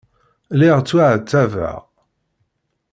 Lliɣ ttwaɛettabeɣ.